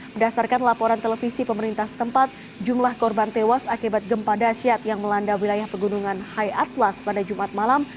berdasarkan laporan televisi pemerintah setempat jumlah korban tewas akibat gempa dasyat yang melanda wilayah pegunungan hai atlas pada jumat malam